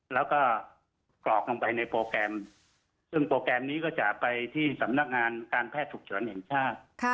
แล้วก็กรอกลงไปในโปรแกรมซึ่งโปรแกรมนี้ก็จะไปที่สำนักงานการแพทย์ฉุกเฉินแห่งชาติ